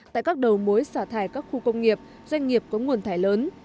tại các đầu mối xả thải các khu công nghiệp doanh nghiệp có nguồn thải lớn